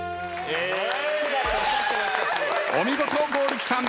お見事剛力さん。